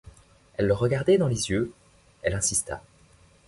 Elle le regardait dans les yeux, elle insista.